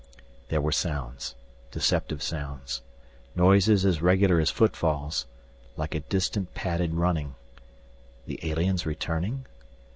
There were sounds, deceptive sounds. Noises as regular as footfalls, like a distant padded running. The aliens returning?